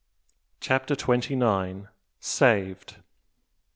CHAPTER TWENTY NINE. SAVED!